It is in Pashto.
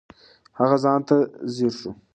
هغه ځان ته ځیر شو.